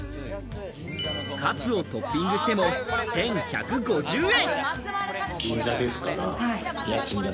カツをトッピングしても１１５０円。